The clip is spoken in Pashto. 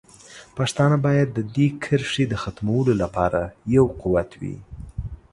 پښتانه باید د دې کرښې د ختمولو لپاره یو قوت وي.